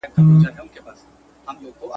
ژوند به نه غواړي مرگی به یې خوښېږي!